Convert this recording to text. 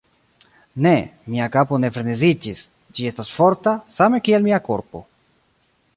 Ne, mia kapo ne freneziĝis: ĝi estas forta, same kiel mia korpo.